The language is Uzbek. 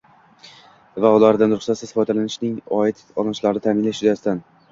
va ulardan ruxsatsiz foydalanishning oldi olinishini ta’minlash yuzasidan